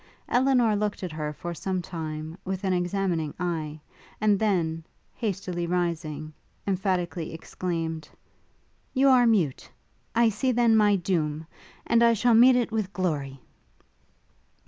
Elinor looked at her for some time with an examining eye, and then, hastily rising, emphatically exclaimed, 'You are mute? I see, then, my doom! And I shall meet it with glory!'